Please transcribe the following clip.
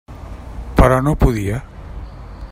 Però no podia.